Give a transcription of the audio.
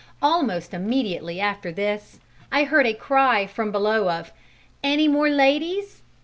Almost immediately after this, I heard a cry from below of, "Any more ladies?"